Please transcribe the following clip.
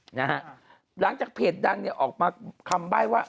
หลังจากเพจดังเนี่ยออกมาคำใบ้ว่า